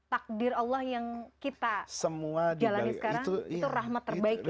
takdir allah yang kita jalanin sekarang itu rahmat terbaik ya